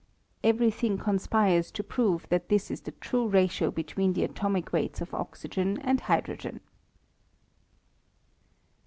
Every thing conspires to prove that this is the true ratio between the atomic weights of oxygen and hydrogen.